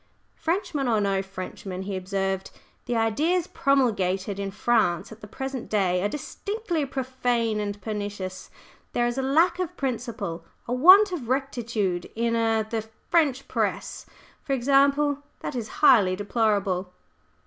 "Frenchman or no Frenchman," he observed, "the ideas promulgated in France at the present day are distinctly profane and pernicious. There is a lack of principle a want of rectitude in er the French Press, for example, that is highly deplorable."